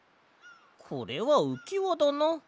これはうきわだな。